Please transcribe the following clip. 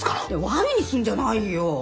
ワルにすんじゃないよ。